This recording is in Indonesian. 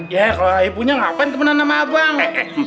ya kalau ayah punya ngapain temenan sama abang